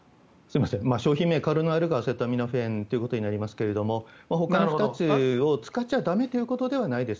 商品名、カロナールがアセトアミノフェンということになりますがほかの２つを使っちゃ駄目ということではないです。